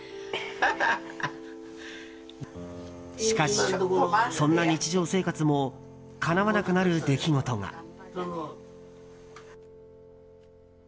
しかし、そんな日常生活もかなわなくなる出来事が。